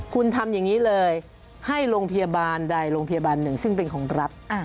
คุณทำอย่างนี้เลยให้โรงพยาบาลใดโรงพยาบาลหนึ่งซึ่งเป็นของรัฐ